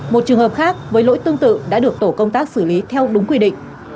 một trường hợp khác với lỗi tương tự đã được tổ công tác xử lý theo đúng quy định